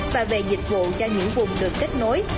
và về dịch vụ cho những vùng được kết nối